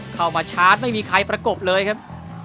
ชาร์จไม่มีใครประกบเลยครับ